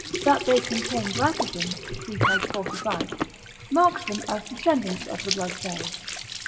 That they contain glycogen (see p. 45), marks them as descendants of the blood cells.